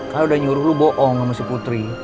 kalau udah nyuruh lu bohong sama si putri